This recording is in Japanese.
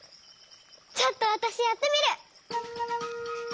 ちょっとわたしやってみる！